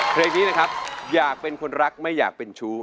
เพลงนี้นะครับอยากเป็นคนรักไม่อยากเป็นชู้